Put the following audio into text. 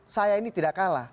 saya ini tidak kalah